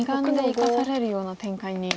生かされるような展開に。